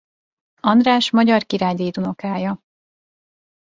András magyar király dédunokája.